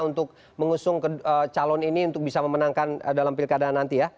untuk mengusung calon ini untuk bisa memenangkan dalam pilkada nanti ya